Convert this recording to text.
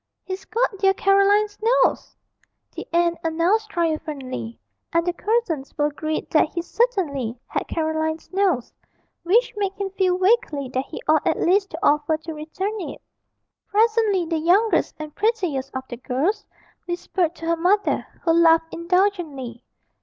'He's got dear Caroline's nose!' the aunt announced triumphantly, and the cousins were agreed that he certainly had Caroline's nose which made him feel vaguely that he ought at least to offer to return it. Presently the youngest and prettiest of the girls whispered to her mother, who laughed indulgently.